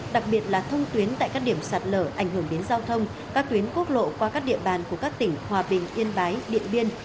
đặc biệt là thông tuyến tại các điểm sạt lở ảnh hưởng đến giao thông các tuyến quốc lộ qua các địa bàn của các tỉnh hòa bình yên bái điện biên